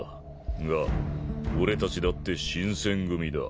が俺たちだって新撰組だ。